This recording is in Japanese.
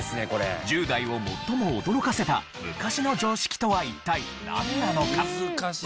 １０代を最も驚かせた昔の常識とは一体なんなのか？